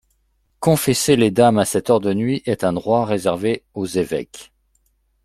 Confesser les dames à ceste heure de nuict est ung droict réservé aux évesques...